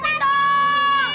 udah kita teriak aja udah